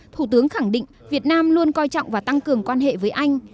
thủ tướng khẳng định việt nam luôn coi trọng và tăng cường quan hệ với anh